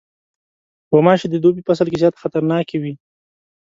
غوماشې د دوبی فصل کې زیاته خطرناکې وي.